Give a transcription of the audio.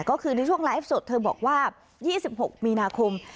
ก็คือในช่วงไลฟ์สดเธอบอกว่า๒๖มีนาคม